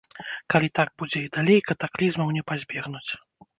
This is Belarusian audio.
Калі так будзе і далей, катаклізмаў не пазбегнуць.